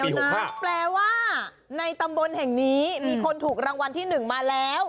แปลว่าในตำบลแห่งนี้มีคนถูกรางวัลที่๑มาแล้ว